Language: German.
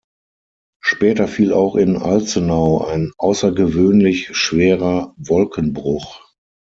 Später fiel auch in Alzenau ein außergewöhnlich schwerer Wolkenbruch.